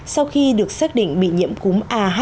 sau khi được xác định bị nhiễm cúm a h